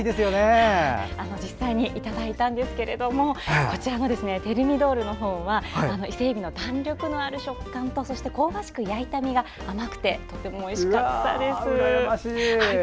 実際にいただいたんですがテルミドールのほうは伊勢えびの弾力のある食感とそして香ばしく焼いた身が甘くてとてもおいしかったです。